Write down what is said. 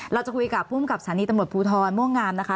เราจะคุยกับภูมิกับสถานีตำรวจภูทรม่วงงามนะคะ